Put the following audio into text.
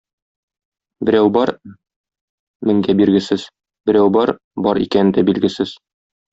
Берәү бар — меңгә биргесез, берәү бар — бар икәне дә билгесез.